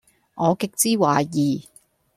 我極之懷疑